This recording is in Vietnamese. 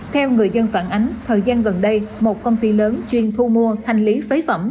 theo người dân phản ánh thời gian gần đây một công ty lớn chuyên thu mua hành lý phế phẩm